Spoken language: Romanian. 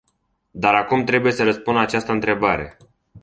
Dar acum trebuie să răspund la această întrebare.